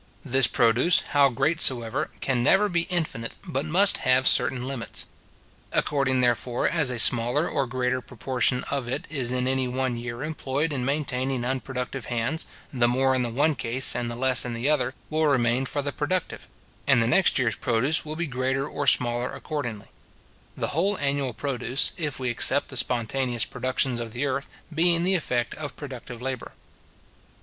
This produce, how great soever, can never be infinite, but must have certain limits. According, therefore, as a smaller or greater proportion of it is in any one year employed in maintaining unproductive hands, the more in the one case, and the less in the other, will remain for the productive, and the next year's produce will be greater or smaller accordingly; the whole annual produce, if we except the spontaneous productions of the earth, being the effect of productive labour.